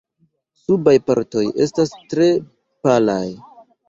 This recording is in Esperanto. Subaj partoj estas tre palaj.